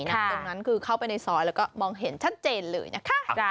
ตรงนั้นคือเข้าไปในซอยแล้วก็มองเห็นชัดเจนเลยนะคะ